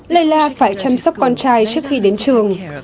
layla phải chăm sóc con trai trước khi đến trường